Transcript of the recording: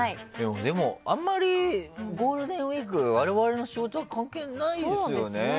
でも、あんまりゴールデンウィーク我々の仕事は関係ないですよね。